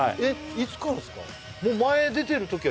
いつからですか？